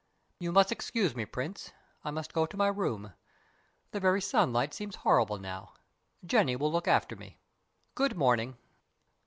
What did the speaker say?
You must excuse me, Prince. I must go to my room. The very sunlight seems horrible now. Jenny will look after me. Good morning!"